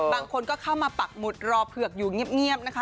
บางคนก็เข้ามาปักหมุดรอเผือกอยู่เงียบนะคะ